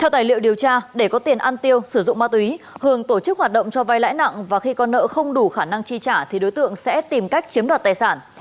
theo tài liệu điều tra để có tiền ăn tiêu sử dụng ma túy hường tổ chức hoạt động cho vai lãi nặng và khi con nợ không đủ khả năng chi trả thì đối tượng sẽ tìm cách chiếm đoạt tài sản